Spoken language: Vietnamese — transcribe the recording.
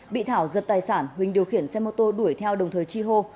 bị thảo giật tài sản huỳnh điều khiển xe mô tô đuổi theo đồng thời chi hô